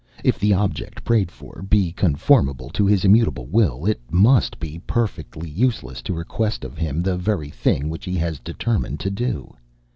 If the object prayed for be conformable to his immutable will, it must be perfectly useless to request of him the very thing which he has determined to do.